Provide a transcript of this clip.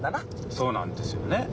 そうなんですよね。